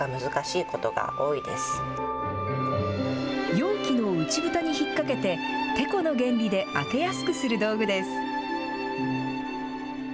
容器の内ぶたに引っ掛けて、てこの原理で開けやすくする道具です。